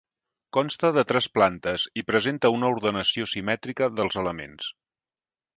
Consta de tres plantes i presenta una ordenació simètrica dels elements.